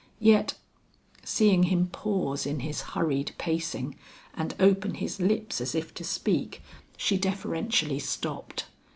Yet " Seeing him pause in his hurried pacing and open his lips as if to speak, she deferentially stopped.